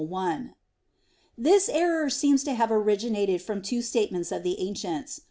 1). This error seems to have originated from two statements of the ancients.